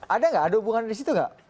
ada gak ada hubungan di situ gak